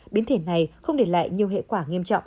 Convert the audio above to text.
biến thể này không để lại nhiều hệ quả nghiêm trọng